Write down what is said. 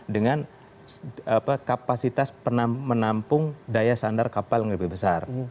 dengan kapasitas menampung daya sandar kapal yang lebih besar